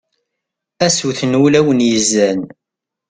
a sut n wulawen yezzan